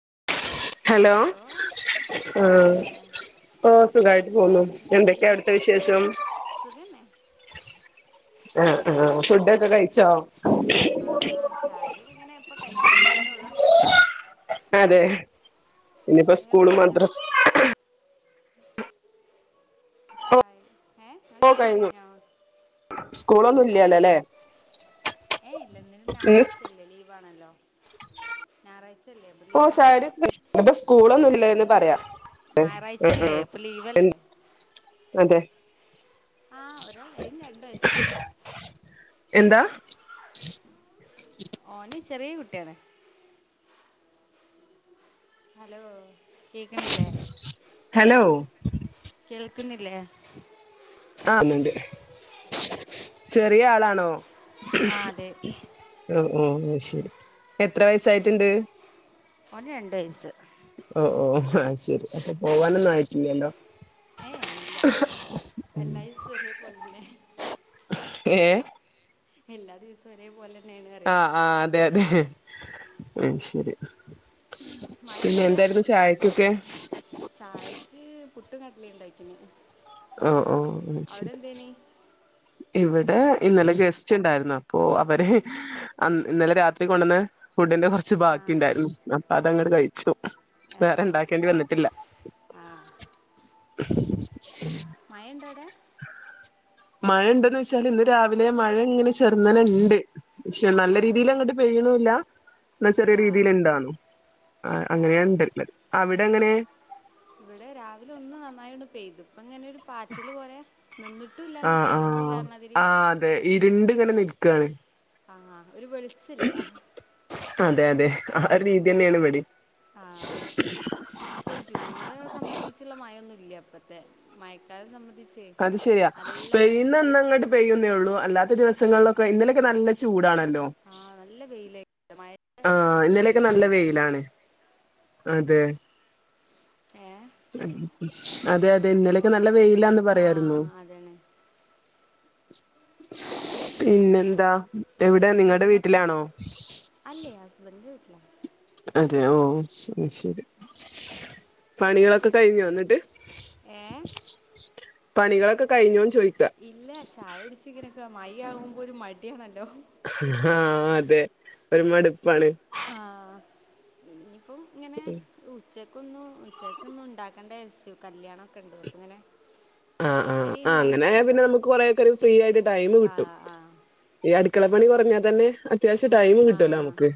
[inaudible] Hello ആ സുഖല്ലേ ഓ സുഖായിട്ട്പോന്നു എന്തൊക്കെയാവിടുത്തെ വിശേഷം? സുഖന്നെ ആ ആ ഫുഡൊക്കെകഴിച്ചോ? ആ ചായോടിയൊക്കെങ്ങനെ ഇപ്പൊ കഴിഞ്ഞുണീച്ചുണൊള്ളോ. ഞ്ഞിപ്പോ സ്കൂള് മദ്രസ് [inaudible] ഓ ചായ ഏ ഓ ഇങ്ങളെചായൊടി കഴിഞ്ഞു കഴിഞ്ഞോ? സ്കൂളൊന്നും ഇല്ലല്ലോല്ലേ ഏ ഇല്ലല്ല ന്ന് ഇന്ന് സ് ഞായറാഴ്ചയല്ലേ ലീവാണല്ലോ. ഞായറാഴ്ചയല്ലേ അപ്പൊ ഓ [unintelligible] ലീവാണല്ലോ ഇപ്പോസ്കൂളൊന്നുല്ലെന്ന് പറയാം ഞായറാഴ്ചയല്ലേ അപ്പൊലീവല്ലേ? അതെ. ആഹ ഒരാൾ അയിൻരണ്ടുവെയസ്സ എന്താ? ഓന് ചെറിയ കുട്യാണ്. ഹലോ കേക്കണില്ലേ ഹലോ കേൾ ക്ക്ന്ന്ല്ലേ ആ [unintelligible] ചെറിയാളാണോ? ആ അതെ. ഒ ഒ ഒ ശരി എത്ര വയസായിട്ടുണ്ട്? ഓന് രണ്ടുവയസ്സ്. ഓ ഓ ആഹ ശെരി പോവാനൊന്നും ആയിട്ടില്ലല്ലോ? ഏ ഇല്ല എല്ലായീസും ഒരേപോൽത്തന്നെ ഏ? എല്ലാ ദിവസവുഒരേപോലെ ആഹ ആ അതെഅതെ മം ശരി പിന്നെ മഴണ്ടവിടെ എന്തായിരുന്നു ചായക്കൊക്കെ ചായക്ക് പുട്ടുംകടലിണ്ടാക്കീന് ഹ ഓ നി [unintelligible] ഇവിടെ ഇന്നലെ ഗസ്റ്റ് ഉണ്ടായിരുന്നു അപ്പൊ അവര് ഇന്നലെ രാത്രി കൊണ്ടോന്ന ഫുഡിന്റെകൊറച്ച് ആ ബാക്കിണ്ടായിരുന്നു അതങ്ങട് കഴിച്ചു ആ വേറെണ്ടാക്കേണ്ടി വന്നിട്ടില്ല [inaudible] മഴ ഉണ്ടോ അവിടെ മഴ ഉണ്ടൊന്നെച്ചാൽ ഇന്ന് രാവിലെ മഴ ഇങ്ങനെ ചെറുന്നനെ ഇണ്ട് പക്ഷെ നല്ല ആ രീതിയിൽ അങ്ങോട്ട് പെയ്യണ ല്ല എന്ന ഉം, ചെറിയ ആ രീതീല് ഇണ്ടിണു ആ അങ്ങനെയണ് ഉണ്ട്ള്ള അവിടെ എങ്ങനെ ഇവിടെ രാവിലെ ഒന്ന് നന്നായിണ്ട് പെയ്തു അപ്പൊ ഇങ്ങനെ ഒരു പാറ്റല് പോലെ നിന്നിട്ടുല്ലന്നാ ആഹ് ആഹ് പെയ്യ്ണുല്ലാർഞാതിരി ആഹ് അതെ ഇരുണ്ട് ഇങ്ങനെ നിക്കാണ് ആ ഒരു വെൾച്ചല്ലാ അതെ അതെ ആ രീതിയെന്നേണ് വടിം ആ പക്ഷെ ജൂണിന്റെ സംബന്ധിച്ചുള്ള മഴൊന്നുംല്ല ഇപ്പം മയക്കാലം സംബ് അത് ശരിയാ പെയ്യുന്നന്നങ്ങട്ട് പെയ്യുംന്നേള്ളൂ അല്ലാത് അല്ലാത്ത ദിവസങ്ങളിലൊക്കെ ഇന്നലൊക്കെ നല്ല ചൂടാണല്ലോ ആഹ് നല്ല വെയിലായി മഴ ആ വെറുതെ ഇന്നലെയൊക്കെ നല്ല തോന്നൂല വെയിലാണ് അതെ ഏഹ് അതെ അതെ ഇന്നലെയൊക്കെ നല്ല വെയിലാന്ന് പറയായിരുന്നു ആഹ് അതാണ് പിന്നെന്താ എവിടെ മറ്റേത് നിങ്ങളടെ ജൂണൊക്കെ വീട്ടിലാണോ അല്ലേ ഹസ്ബെൻ്റിൻ്റെ വീട്ടിലാ അതെ ഓ ശരി മറ്റ് പണികളൊക്കെ കഴിഞ്ഞോ ന്നട്ട് ഏഹ് പണികളൊക്കെ കഴിഞ്ഞോന്ന് ച് ഇല്ല ചായ കുടിച്ച്ങ്ങനെക്കാ മയി ആവുമ്പോ ഒരു മടിയാണല്ലോ ആ അതെ ഒരു മടുപ്പാണ് ആഹ് ചക്കൊന്നും ഉചേക്കൊന്നും ഉണ്ടാക്കണ്ടാരിച്ച് കല്യാണൊക്കണ്ട് അപ്പ ഇങ്ങനെ ആ ആ ചായടി ആ കഴിഞ്ഞ് ഇങ്ങനെ അങ്ങനായാ കുത്തിർക്കുക പിന്നെ നമുക്ക് കൊറെയൊക്കൊരു ഫ്രീ ആയിട്ട് ടൈമ് ആ കിട്ടും ആ ഈ അടുക്കളപ്പണി കൊറഞ്ഞാ തന്നെ അത്യാവശ്യം ഉം ടൈമ് ആ കിട്ടുവല്ലോ നമ്മുക്ക്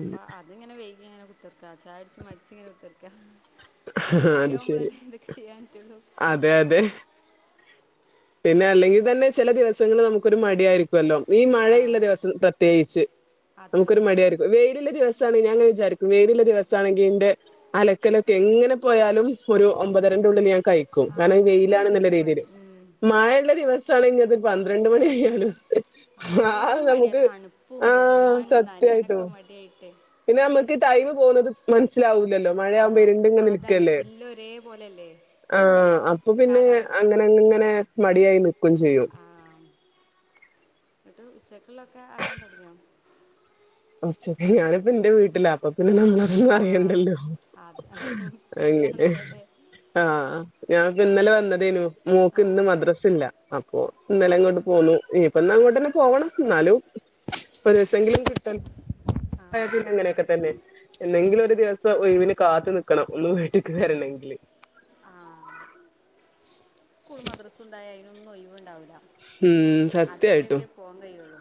അപ്പൊ അതിങ്ങനെ വൈകിങ്ങനെ കുത്തർക്കാ ചായട്ച്ച് മട്ച്ചിങ്ങനെ കുത്തർക്കാ ആ അത് ശരി ചെയ്യാൻ പറ്റുള്ളൂ അതെ അതെ പിന്നെ അല്ലെങ്കിൽ തന്നെ ചില ദിവസങ്ങള് നമുക്കൊരു മടിയായിരിക്കും ല്ലോ ഈ ആ മഴയ്ള്ള ദിവസം പ്രത്യേകിച്ച് അതാണ് നമുക്കരു മടിയായിരിക്കും വെയില്ള്ള ദിവസാണെ ഞാങ്ങനെ വിചാരിക്കും വെയില്ള്ള ദിവസ് ദിവസാണെങ്കി ഇൻ്റെ അലക്കലൊക്കെ എങ്ങനെ പോയാലും ഒരു ഒമ്പതരൻ്റുള്ളില് ഞാൻ കഴിക്കും ആ കാരണം പെട്ടെന്ന് വെയിലാണ്ന്ന്ള്ള തീരും പണി രീതീല് ഉം. മഴള്ള ദിവസാണെങ്കി അത് പന്ത്രണ്ട് മണി ആയാലും ആ എൻക്കൊരു മടിയ തണുപ്പും ആഹ് എറങ്ങാനും സത്യായിട്ടും. നനയാനൊക്കെ മടിയായിട്ട് പിന്നെ നമ്മുക്ക് ടൈമ് പോകുന്നത് മനസ്സിലാവൂല് ആ അതാണ് എല്ലൊം ഒരേ പോലെല്ലേ ആ അപ്പൊ പിന്നെ അങ്ങനെ ഇങ്ങനെ മടിയായി നിക്കും ചെയ്യും ഇന്നട്ട് ഉച്ചക്ള്ളൊക്കെ ആക്കാൻ തൊടങ്ങിയോ ഉച്ചക് ഞാനിപ്പം ഇന്റെ വീട്ടില അപ്പം അപ്പം പിന്നെ നമ്മളൊന്നും ആ അറിയണ്ടല്ലോ അത് ഫ്രീ അങ്ങനെ ആണല്ലോ അല്ലേ ആ ഞാൻ പം ഇന്നലെ വന്നതേനു മോക്ക് ആ ഇന്ന് മദ്രസ്ല്ല അപ്പോ ആ ഇന്നലെ ഇങ്ങോട്ട് പോന്നു ഇഞ് പ്പന്നങ്ങോട്ട്ന്നെ പോവണം ഇന്നാലും ഒരോസെങ്കിലും കിട്ടു ആ ആ [unintelligible] ഇങ്ങനെയൊക്കെ തന്നെ എന്നെങ്കിലും ഒര് ദിവസം ഒഴിവിന് കാത്തു നിക്കണം ഒന്ന് വീട്ടാക്ക് വരണെങ്കില് ആ സ്കൂളും മദ്രസുണ്ടായ അയിനൊന്നും ഒയിവുണ്ടാവൂല്ല മ്മ് സത്യായിട്ടും കഴിയുള്ളൂ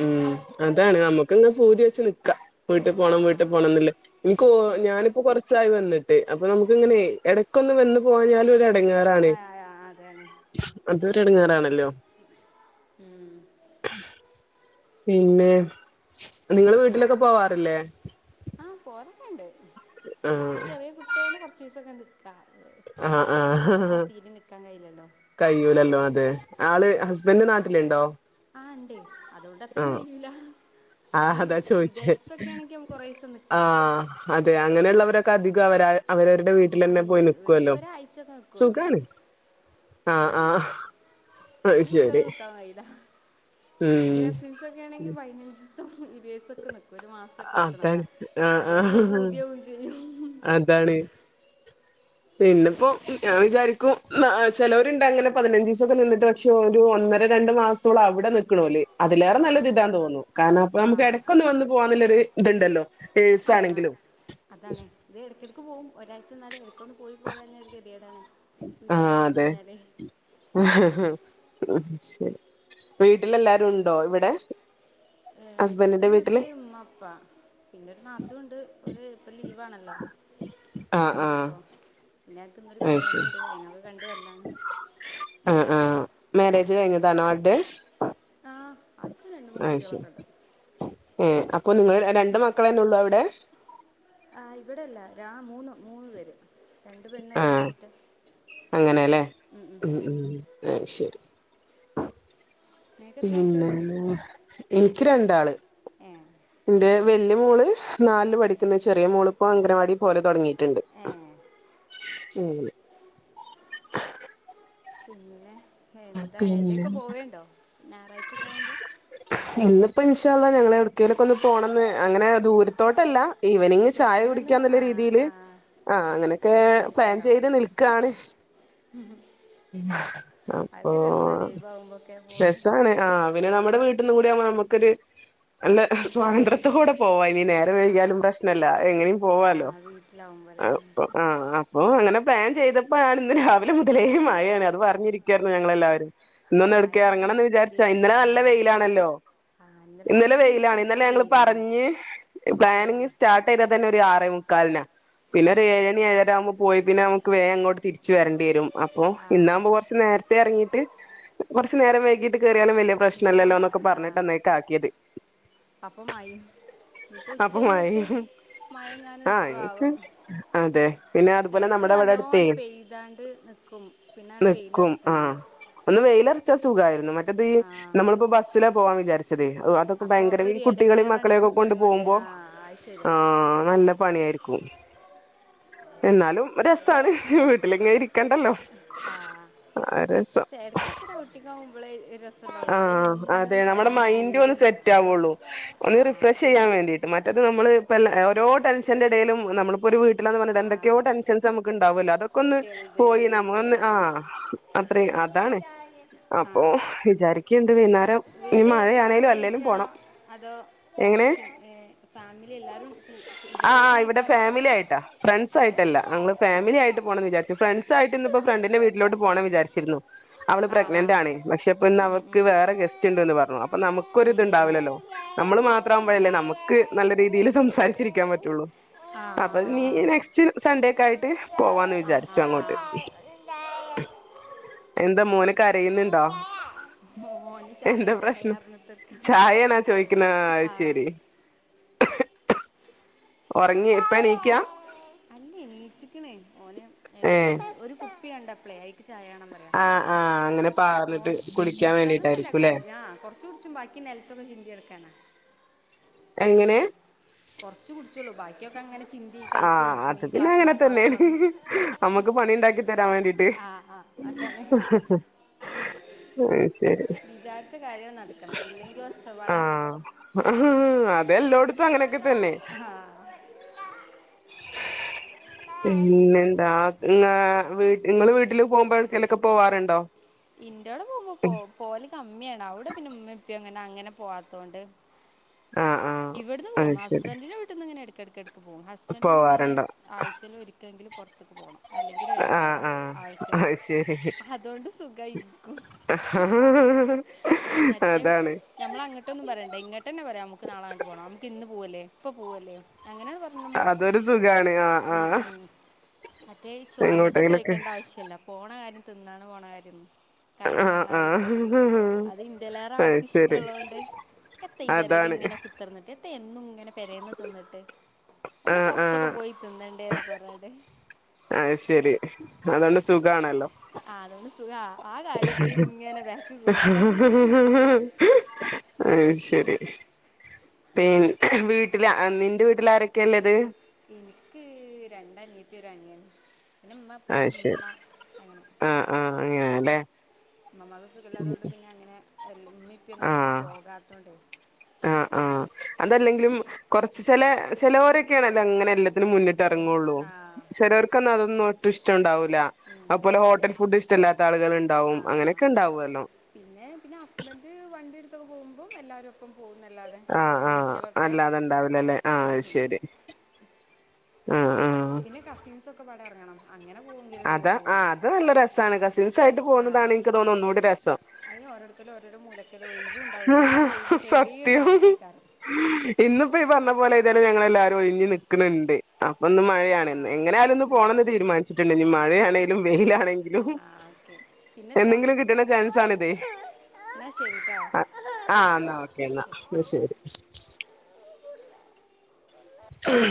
മ്മ് അതാണ് അമ്മക്ക്ങ്ങനെ പൂതി വെച്ച് നിക്കാ വീട്ട് പോണം ആ വീട്ട് പോണം ന്ന്ല്ലേ ഇൻക്കോ ഉം. ഞാനിപ്പം കൊർച്ചായി വന്നിട്ട് അപ്പൊ നമുക്ക്ങ്ങനെ എടക്കൊന്ന് വന്ന് പോയാഞ്ഞാലും ഒരെടങ്ങാറാണെ ആ ആ, അതാണ് അതൊരു ഇടങ്ങാറാണല്ലോ ഉം പിന്നെ നിങ്ങള് വീട്ടിലൊക്കെ പോവാറില്ലേ അതൊക്കെയിണ്ട് ഇപ്പൊ ചെറിയ ആഹ് കുട്ടിയാണ് കൊറച്ച് ദിവസൊക്കെ നിക്കാ ആ ആ നിൽക്കാൻ കഴിയില്ലല്ലോ കയ്യൂലല്ലോ അതെ ആള് ഹസ് ഹസ്ബൻ്റ് നാട്ടിലുണ്ടോ ആ ഇണ്ട് അതുകൊണ്ട് അത്രയും കഴിയുല ആഹ അതാ ചോദിച്ചേ കുറേ ദിവസം നിൽക്കാം ആഹ അതെയ അങ്ങനെയുള്ളവരൊക്കെ അധിക അവര അവരു എന്റെ വീട്ടിലേല്ലാം പോയി ഉം, ഒരു നികുവല്ലോ ഒരാഴ്ചയൊക്കെ നിൽക്കുള്ളൂ സുഖാണ് ആഹ ആഹ അത് ശരി എന്റെ ഉം കസിൻസ് ഒക്കെ ആണെങ്കിൽ പതിനഞ്ച് ദിസം ദിവസൊക്കെ നിക്കും ഒരു മാസൊകെ നിക്കണല്ല അതാണ് ആഹ് അത് കാണുമ്പോ ആഹ് പൂതിയാവും ചെയ്യും അതാണ് പിന്നെപ്പോ ഞാൻ വിചാരിക്കും ചിലവരുണ്ട് അങ്ങനെ പതിനഞ്ച് ദിവസൊക്കെ നിന്നിട്ട് പക്ഷെ ഒരു വ ഒന്നര രണ്ടു മാസത്തോളം അവിടെ നിക്കണോല്ലേ ആ അതിലേറെ നല്ലത് ഇതാന്ന് തോന്നുന്നു കാരണം അപ്പൊ ആ നമുക്ക് ഇടക്കൊ ഒന്ന് വന്ന് പോകാനുള്ള ഒരു ഇതുണ്ടല്ലോ നേഴ്സ് ആ ആണെങ്കിലും അതാണ് ഇത് ഇടക്കിടക്ക് പോകും ഒരാഴ്ച എന്നാലും ക്കൊന്ന് പോയി പോരന്ന് കെട്ടിയതാണ് ആഹ അതെ ശരി വീട്ടിലെല്ലാരും ഉണ്ടോ ഇവിടെ ഏ ഹസ്ബൻറിന്റെ വീട്ടില് ഉമ്മ അപ്പാ പിന്നെ ഒരു നാത്തുണ്ട് ഒരു ഇപ്പൊ ലീവ് ആണല്ലോ ആഹ് ഇന്ന് ആഹ് ഇപ്പോ ഇന്നക്ക് ഇന്നൊരു അത് ശരി കല്യാണമുണ്ട് അതിനൊക്കെ കണ്ട് വരല്ലാണ് ആ മാരേജ് കഴിഞ്ഞതാണോ ആൾടെ ആഹ് ആ ശരി ഏ അപ്പൊ നിങ്ങള് രണ്ട് മക്കളന്നെ ഉള്ളൂ അവിടെ ആ ഇവിടെല്ല രാ മൂന്ന് മൂന്നു പേര് രണ്ട് പെണ്ണ് ഒരു ആഹ് ആണായിട്ട് അങ്ങനെല്ലേ ഉം ഉം ശരി നിനക്ക് എത്ര പിന്നെ മക്കളുണ്ട് എനിക്ക് രണ്ടാള് ഏ എന്റെ വല്യ മോള് നാലില് പഠിക്കുന്നത് ചെറിയ മോളിപ്പോൾ അംഗനവാടി പോലെ തുടങ്ങി ട്ടിണ്ട് ഏ ഉം പിന്നെ എന്താ എവിടെക്കെ പോവണ്ടോ ഇന്നിപ്പോ ഇൻഷ അള്ളാ ഞങ്ങള അവിടെലൊക്കെ ഒന്ന് പോണംന്ന് അങ്ങനെ ദൂരത്തോട്ടല്ല ഈവനിങ് ചായ ചെറുങ്ങനെ ഒന്ന് കുടിക്കാന്നുള്ള ആ രീതിയില് ആ ആഹ അങ്ങനെയൊക്കെ പോണം പ്ലാൻ ചെയ്ത് നിൽക്കണ് അതൊരു രസല്ലേ ലീവാകുമ്പൊക്കെ പോണ് ആണ് ആ പിന്നെ നമ്മുടെ വീട്ടിന്ന് കൂടി ആവുമ്പോ നമുക്കൊരു നല്ല സ്വാതന്ത്ര്യത്തോടെ പോവായി ഇ നേരം ആ വൈകിയാലും പ്രശ്നല്ല അങ്ങനെയും ആ പോവാലോ വീട്ടിലാവുമ്പോൾ അല്ലേ ആ അപ്പോ അങ്ങനെ പ്ലാൻ ചെയ്തപ്പോഴാണ് ഇന്ന് രാവിലെ മുതലേ മഴയാണ് അത് പറഞ്ഞിരിക്കയായിരുന്നു ഞങ്ങളെല്ലാവരും ഇന്നൊന്ന് മഴ എടക്ക് പിന്നെ വിചാരിച്ചാ ഗതികേട് ഇന്നലെ ആ നല്ല വെയിലാണല്ലോ ആ ഇന്നലെ മിനിയൊക്കെ വെയിലാണ് നല്ല ഇന്നലെ ഞങ്ങള് വെയിലേനി പറഞ്ഞ് പ്ലാനിങ് പോവാൻ സ്റ്റാർട്ട് ചെയ്തത് തന്നെ ഒരു ആറേ മുക്കാലിന് ആ പിന്നെ ഒരു ഏഴു മണി ഏഴര ആവുമ്പോ പോയി പിന്നെ നമുക്ക് വേഗം ഇങ്ങോട്ട് തിരിച്ചു വരേണ്ടി വരും അപ്പൊ ആ ഇന്നാകുമ്പോ കുറച്ച് നേരത്തെേ ഇറങ്ങിട്ട് കുറച്ച് നേരം വൈകീട്ട് കേയറിയാലും വലിയ ഇനിയിപ്പോൾ പ്രശ്നല്ലല്ലോന്നൊക്കെ പറഞ്ഞിട്ട് ആ അന്നേക്ക് ആക്കിയത് അപ്പം മയി ഇ ഇപ്പൊ ഉച്ചകഴിഞ്ഞിട്ട് ആഹ എന്ന് വെച്ച് അതെ പിന്നെ അതുപോലെ നമ്മടെ അവിടെ അടുത്തെ കും പിന്നെണ്ട് വെയിൽ ഒറച്ചിക്കുന്നാണ് ഒന്ന് വെയിലൊറച്ച സുഖായിരുന്നു മറ്റത് ഈ നമ്മളിപ്പോ ബസ്സില പോവാം വിചാരിച്ചു ശരി അതൊക്കെ അപ്പോൾ ഭയങ്കര ഈ ഒരു കുട്ടികളെയും ഇടങ്ങേറാണ് മക്കളെ ഈ ഒക്കെ കൊണ്ട് കുട്ടികളും പോകുമ്പോ ആ അത് ശരിയാ ആഹ നല്ല പണിയായിരിക്കും എന്നാലും രസമാണ് വീട്ടിലെങ്ങെരിക്ക ആഹ രസം ശടക്കൊക്കെ ഔട്ടി ആകുമ്പോളെ ആ അതെ നമ്മുടെ മൈൻഡ ഒന്ന് വീടും സെറ്റ് കുട്ടികളും ആവുള്ളൂ ഒന്ന് ആ റിഫ്രഷ് വീ- ചെയ്യാൻ വേണ്ടീട്ട് മറ്റ നമ്മള് ഇപ്പ ഓര ടെഷന്റെ ഇടയിലും നമ്മിപ്പോൊ ഒരു വീട്ടിലന്ന് പറഞ്ഞിട്ട് ആ എന്തൊക്കെയ ടെൻസ് നുക്ക് ഉണ്ടാവല്ലോ അതൊക്കെ ഒന്ന് കുട്ടികളുടെ പോയി വീട് നമ്മൊന്ന് ആ ആ് അത്രയും അതാണ് അപ്പൊ ആ വിചാരിക്കുണ്ട് വന്നേരം നീ വീട് മഴയാണേലും ഫാമിലി അല്ലേങ്കലും ആയിട്ടാണോ പോണം അതോ എങ്ങനെ ഫാമിലി എല്ലാരും ജോയിൻ ആഹ് ഇവിടെ ആയിട്ടണ ഫാമിലി ആയിട്ടാ ഏയ് [unintelligible] വിചാരി ഫ്രണ്ട്സ് ആയിട്ട് ഇപ്പോ ഫ്രണ്ടിന്റെ വീട്ടിലോട്ടു പോണ വിചാച്ചിരുന്നു അവള് ആ ആ പ്രഗ്നന്റ് ആണ് പക്ഷെ ഉം, നമുക്ക് ഉം. വേറെ ഗസ്റ്റ് ഉണ്ട് ന്ന് പറ്ഞ്ഞു അപ്പൊ നമുക്കൊരു ഉം, ഉം, ഉം. ഇത്ണ്ടാവിലല്ലോ നമ്മൾ മാത്രം [unintelligible] നമുക്ക് നല്ല രീതിയില് സംസ് സംസാരിച്ചിരിക്കാൻ പറ്റൊള്ളൂ ആ അപ്പൊ ആ നീ നെക്സ്റ്റ് സൺഡേക്കെ ആയിട്ട് പോവാന്ന് വി വിചാരിച്ചു ആ, അങ്ങോട്ട് ആ എന്താ മോനെ കരയുന്നുണ്ടോ ഓന് ചായ എന്താ ചായ പ്രശ്നം അറിഞ്ഞിട്ടൊക്കെ ചായേണാ ചോയ്ക്ക്ണാ അഹ് ആ ശെരി [inaudible] ഒറങ്ങി ഇപ്പ ണീക്കാ അല്ലെയ് നീച്ക്ക്ണ് ഓന് എന്താ ഏഹ് [unintelligible] ഒരു കുപ്പി കണ്ടപ്ലെ ക്ക് ചായാണം പറയാ ആഹ് ആഹ് അങ്ങനെ പാർന്നിട്ട് ഓന് കുളിക്കാൻ കുടിച്ചാലൊന്നല്ല ക വേണ്ടിട്ടായിരിക്കുംല്ലേ [unintelligible] കൊറ്ച്ച് കുട്ച്ചും ബാക്കി നെൽത്തൊക്കെ ചിന്തിയെടുക്കാനാ എങ്ങനെ കൊറ്ച്ച് കുടിച്ചൊള്ളൂ ബാക്കിയൊക- ആഹ് അത് പിന്നെ അങ്ങനെ ക്ലാസ് തന്നേണ് പറഞ്ഞ് അമ്മക്ക് പണി ഇണ്ടാക്കി തരാൻ വേണ്ടീട്ടെ [inaudible] വിചാര്ച്ച കാര്യം നടക്കണം അല്ലെങ്കി ഒച്ചപാടാ ഉം അതെല്ലോട്ത്തും അങ്ങനെ ഒക്കെ തന്നെ ആ പിന്നെന്താങ്ങ വീ ഇങ്ങള് വീട്ടില് പോകുമ്പോഴക്കെലൊക്കെ പോവാറുണ്ടോ ഇന്റോടെ പോകുമ്പോ പോലെ [unintelligible] സമ്മ്യേണ് ഔടെ പിന്നെ ഇമ്മി ഇപ്പെ അങ്ങനെ അങ്ങനെ പോവാത്തോണ്ട് ആഹ് ആഹ് ഇവിട്ന്ന് അത് പോവും ശരി ഹസ്ബൻഡറിന്റെ വീട്ട്ന്ന്ങ്ങനെ എട്ക്കെട്ക്ക ക്ക് പോകും ഹസ്ബൻഡിനന് ഇങ്ങനെ പോവാറുണ്ടോ ആഴ്ചേല് ഒരിക്കലെങ്കിലു പൊറ ത്ത്ക്ക് പോണം അല്ലെങ്കിലൊര് ആഹ് എടെങ്ങേറാ ആഹ് ആൾക്ക് അത് ശരി അതോണ്ട് സുഖ ഇൻക്കും [inaudible] മറ്റും അതാണ് ഞമ്മളങ്ങട്ടൊന്നും പറയെണ്ട ഇങ്ങേട്ടെന്നെ പറയാംമ്ക്ക് ഇൻക്ക് നാളാണ്ട് പോണം. നമുക്ക് ഇന്ന് പോവല്ലേ ഇപ്പ പോവ് ല്ലേ. അതൊരു സുഖാണ്. ആഹ് ഉം ആഹ് ഉം മറ്റേ ചോ അങ്ങട്ട് എങ്ങോട്ടെലൊക്കെ ചോദിക്കേണ്ട ആവശ്യല്ല പോണ കാര്യം തിന്നാണ് പോണ കാര്യംന്ന് കറങ്ങാൻ ആഹ് പോണ കാര്യക്കെ ആഹ് അത് ഇന്റെലേറെ അത് ആൾക്ക് ശരി ഇഷ്ടള്ളോണ്ട് എത്ത ഈ പെരേല് അതാണ് ഇങ്ങനെ കുത്തർന്ന് എത്ത എന്നു ഇങ്ങനെ പെരേന്ന് തിന്നിട്ട്. ഒന്ന് ആഹ് പൊർത്തൊക്കെ ആഹ് പോയി തിന്നണ്ടേന്ന് [unintelligible] അഹ് ശെരി അതോണ്ട് സുഖാണല്ലോ ആ അതുകൊണ്ട് സുഖാ ആ കാര്യത്തിൽ ഇങ്ങനെ ബാക്ക് കൂടണ്ട ശെരി പിൻ വീട്ട്ല് നിന്റെ വീട്ടില് ആരെക്കെ ഇല്ലത്? എനിക്ക് രണ്ട് അനിയത്തി ഒര് അനിയന്. അഹ് ശെരി ആഹ് ആഹ് അങ്ങനെല്ലേ. ഇമ്മമ്മാക്ക് സുഖല്ലാത്തോണ്ട് പിന്നെ അങ്ങനെ എൽ ഇമ്മി ഇപ്പി ഒന്നും ഒട്ക്ക് ആഹ് പോകാത്തോണ്ട് ആഹ് ആഹ് അതല്ലെങ്കിലും കൊറച്ച് ചെല ചെലോരൊക്കെയാണല്ലോ അങ്ങനെ എല്ല ത്തിനും മുന്നിട്ട് എറങ്ങൊള്ളൂ. ആ ചെലർക്കൊന്നു അതൊന്നും ഒട്ടും ഇഷ്ട ഇണ്ടാവ് ല്ല. അത് പോലെ ഹോട്ടൽ ഫുഡ് ഇഷ്ടല്ലാ ത്ത ആള്കള് ഇണ്ടാവും ആ അങ്ങനെയൊക്കെ ഇണ്ടാവുല്ലോ ത്തൊക്കെ പോവുമ്പം എല്ലാരും ആഹ് ആഹ് അല്ലാതെ ഇണ്ടാവ് ലല്ലേ ആഹ് ഉം. ശെരി ആഹ്. പിന്നെ കസിൻസ് ഒക്ക പാടെ എറങ്ങണം. അത ആ അത് നല്ല രസാണ് കസിൻസ് ആയിട്ട് പോവുന്നതാണ് എനിക്ക് തോന്നുന്നു ഒന്നൂടി രസം. ഓോരുത്തുംരോ മൂല ഒരു സത്യം കാലത്തേക്കാറ് ഇന്നപ്പ പറഞ്ഞ പോലെ ത ഞങ്ങള എല്ലാരും ഒഴിഞ്ഞഞ് നക്കണണ്ട് ഒന്ന് ആ മഴയാാണ്ന്ന് എങ്ങനെ ആാലും ഒന്ന് ഉം. പോണംമെന്ന് തീരുമാനിച്ചിട്ടുണ്ട് ഇനി ആ മഴയാണെങ്കിലും വെയിലാണെങ്കിലും ആ ഓക്കെ പിന്നെത്താ എന്തെങ്കിലും കിട്ടണ്ട ചാൻസ ആണിതേ എന്ന ശരിട്ടാ ആഹ എന്നാ ഓക്കെ എന്ന എന്നാ എന്ന ശരി ഉം